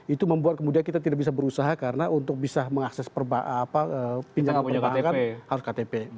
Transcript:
itu membuat kemudian kita tidak bisa berusaha karena untuk bisa mengakses pinjaman perbankan harus ktp